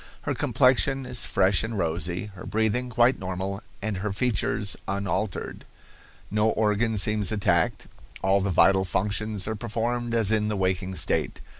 Her complexion is fresh and rosy, her breathing quite normal, and her features unaltered. "No organ seems attacked; all the vital functions are performed as in the waking state.